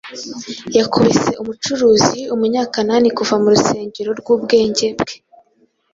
Yakubise umucuruzi Umunyakanani Kuva mu rusengero rwubwenge bwe,